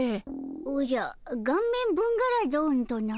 おじゃガンメンブンガラドンとな？